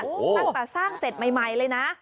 ตั้งแต่สร้างเสร็จใหม่เลยนะ